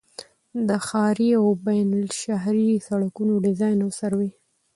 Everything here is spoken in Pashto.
د ښاري او بینالشهري سړکونو ډيزاين او سروې